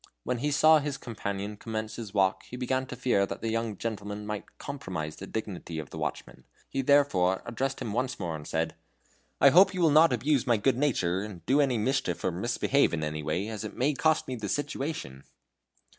When he saw his companion commence his walk he began to fear that the young gentleman might compromise the dignity of the watchman. He therefore addressed him once more, and said: "I hope you will not abuse my good nature and do any mischief or misbehave in any way, as it may cost me the situation."